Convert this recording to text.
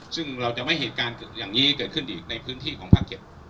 ซึ่งเราจะไม่เหตุการณ์อย่างนี้เกิดขึ้นอีกในพื้นที่ของภาค๗